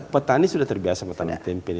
petani sudah terbiasa petani tempe